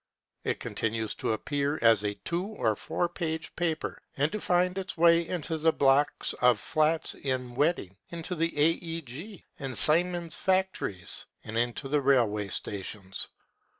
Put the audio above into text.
It continues to appear as a two or four page paper, and to find its way into the blocks of flats in Wedding, interfile A.E.G. and Siemens factories and into the railway stations.